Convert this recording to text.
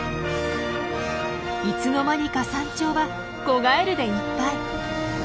いつの間にか山頂は子ガエルでいっぱい。